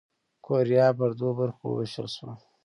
کوریا پر دوو برخو ووېشل شوه.